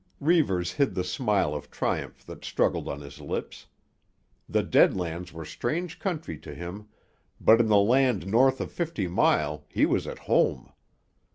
Reivers hid the smile of triumph that struggled on his lips. The Dead Lands were strange country to him, but in the land north of Fifty Mile he was at home.